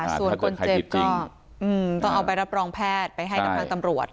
ส่วนคนเจ็บก็ต้องเอาไปรับรองแพทย์ไปให้กับทางตำรวจ